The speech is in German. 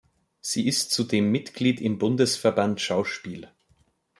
Sie ist zudem Mitglied im Bundesverband Schauspiel.